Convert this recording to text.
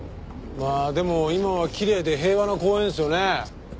まあでも今はきれいで平和な公園ですよね。